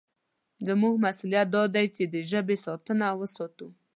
زموږ مسوولیت دی چې د ژبې ساتنه وساتو.